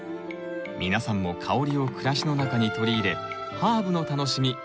皆さんも香りを暮らしの中に取り入れハーブの楽しみ増やして下さい。